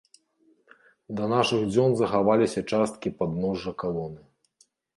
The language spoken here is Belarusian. Да нашых дзён захаваліся часткі падножжа калоны.